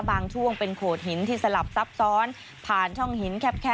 ช่วงเป็นโขดหินที่สลับซับซ้อนผ่านช่องหินแคบ